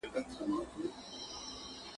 باران وسو، چاکونه پټ سول.